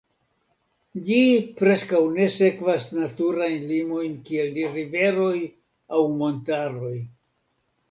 Ĝi preskaŭ ne sekvas naturajn limojn kiel riveroj aŭ montaroj.